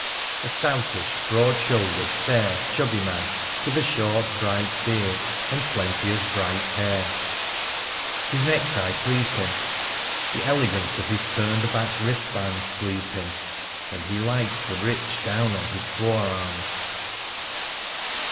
A stoutish, broad shouldered, fair, chubby man with a short bright beard and plenteous bright hair! His necktie pleased him; the elegance of his turned back wristbands pleased him; and he liked the rich down on his forearms.